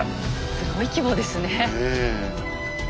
すごい規模ですね。